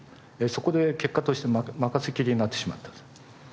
そこで結果として任せっきりになってしまったと。